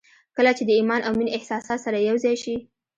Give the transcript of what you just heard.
کله چې د ايمان او مينې احساسات سره يو ځای شي.